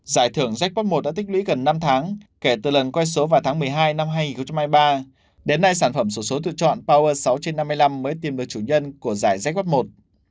giải thưởng jacpop một đã tích lũy gần năm tháng kể từ lần quay số vào tháng một mươi hai năm hai nghìn hai mươi ba đến nay sản phẩm số số tự chọn power sáu trên năm mươi năm mới tìm được chủ nhân của giải rách một